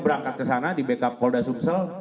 berangkat ke sana di backup polda sumsel